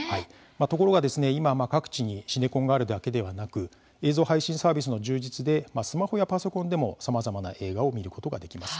ところが、今は各地にシネコンがあるだけでなく映像配信サービスの充実でスマホやパソコンでもさまざまな映画を見ることができます。